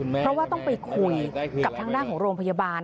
เพราะว่าต้องไปคุยกับทางด้านของโรงพยาบาล